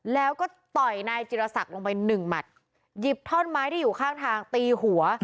แล้วก็ต่อยนายจิรษักลงไปหนึ่งหมัดหยิบท่อนไม้ที่อยู่ข้างทางตีหัว